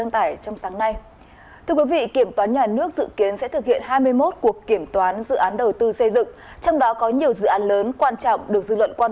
trong năm hai nghìn hai mươi bốn kiểm toán nhà nước dự kiến